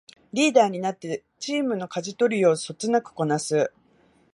リーダーになってチームのかじ取りをそつなくこなす